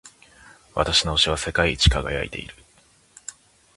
私の押しは世界一輝いている。